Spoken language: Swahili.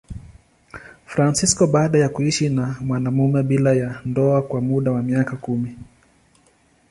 Fransisko baada ya kuishi na mwanamume bila ya ndoa kwa muda wa miaka kumi.